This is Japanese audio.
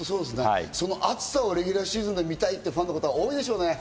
その熱さはレギュラーシーズンで見たいとファンの方は思うでしょうね。